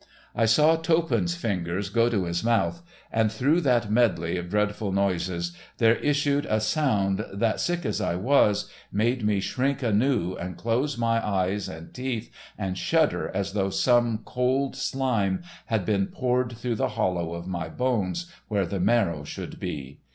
I saw Toppan's fingers go to his mouth, and through that medley of dreadful noises there issued a sound that, sick as I was, made me shrink anew and close my eyes and teeth and shudder as though some cold slime had been poured through the hollow of my bones where the marrow should be.